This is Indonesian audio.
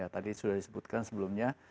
tadi sudah disebutkan sebelumnya